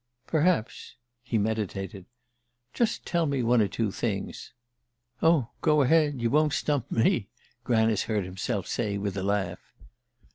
"Perhaps." He meditated. "Just tell me one or two things." "Oh, go ahead. You won't stump me!" Granice heard himself say with a laugh.